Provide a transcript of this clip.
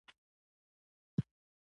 د کاناډا الماس ډیر کیفیت لري.